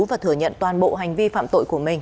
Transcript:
và thừa nhận toàn bộ hành vi phạm tội của mình